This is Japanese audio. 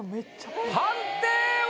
判定は？